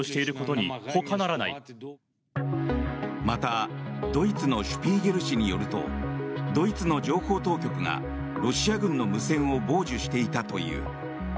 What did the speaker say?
またドイツの「シュピーゲル」誌によるとドイツの情報当局がロシア軍の無線を傍受していたという。